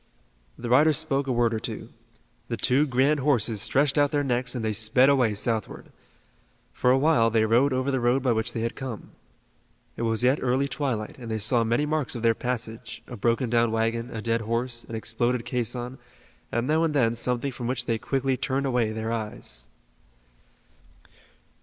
The riders spoke a word or two. The two grand horses stretched out their necks, and they sped away southward. For a while they rode over the road by which they had come. It was yet early twilight and they saw many marks of their passage, a broken down wagon, a dead horse, an exploded caisson, and now and then something from which they quickly turned away their eyes.